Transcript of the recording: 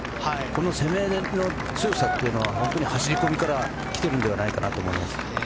この攻めの強さというのは本当に走り込みから来ているのではないかと思います。